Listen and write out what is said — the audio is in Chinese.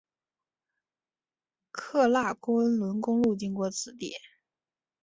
喀喇昆仑公路经过此地。